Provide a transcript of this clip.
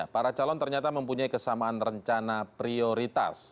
para calon ternyata mempunyai kesamaan rencana prioritas